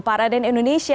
pak raden indonesia